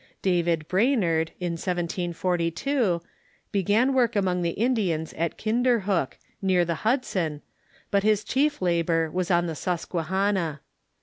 David Brainerd, in 1742, began work among the Indians at Kinderhook, near the Hudson, but his chief labor was on the Susquehanna.